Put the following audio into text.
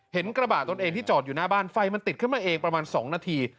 กระบะตนเองที่จอดอยู่หน้าบ้านไฟมันติดขึ้นมาเองประมาณ๒นาที